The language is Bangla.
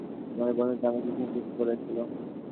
তোমাদের বন্ধুত্ব আমাকে খুশি করেছিলো।